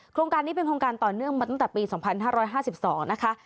โครงการนี้เป็นโครงการต่อเนื่องมาตั้งแต่ปี๒๕๕๒นะคะ